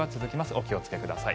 お気をつけください。